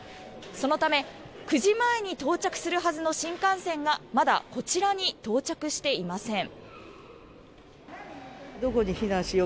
そのため、９時前に到着するはずの新幹線がまだこちらに到着していません。